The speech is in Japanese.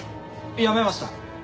やめました。